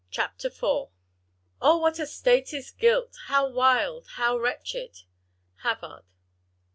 Chapter Fourth. "O, what a state is guilt! how wild! how wretched!" HAVARD.